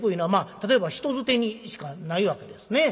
例えば人づてにしかないわけですね。